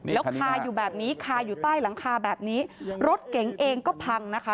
แล้วคาอยู่แบบนี้คาอยู่ใต้หลังคาแบบนี้รถเก๋งเองก็พังนะคะ